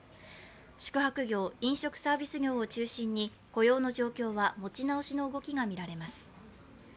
宿泊業・飲食サービス業を中心に雇用の状況は持ち直しの動きが見られます。